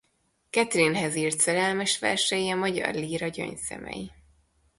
Katrin-hez írt szerelmes versei a magyar líra gyöngyszemei.